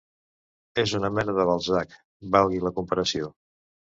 És una mena de Balzac, valgui la comparació.